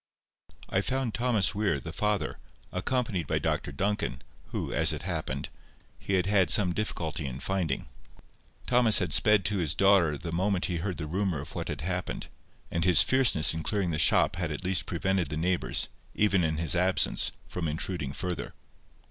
I found Thomas Weir, the father, accompanied by Dr Duncan, whom, as it happened, he had had some difficulty in finding. Thomas had sped to his daughter the moment he heard the rumour of what had happened, and his fierceness in clearing the shop had at least prevented the neighbours, even in his absence, from intruding further.